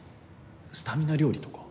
スタミナ料理とか。